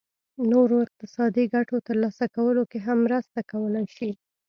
نورو اقتصادي ګټو ترلاسه کولو کې هم مرسته کولای شي.